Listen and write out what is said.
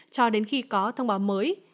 cho đến khi có thông báo mới